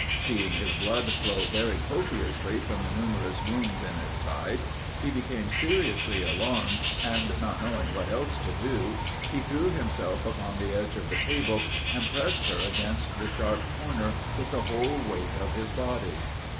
Seeing his blood flow very copiously from the numerous wounds in his side, he became seriously alarmed, and, not knowing what else to do, he threw himself upon the edge of the table, and pressed her against the sharp corner with the whole weight of his body.